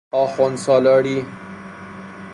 آخوندسالاری